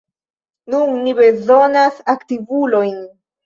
Nun, ni bezonas aktivulojn!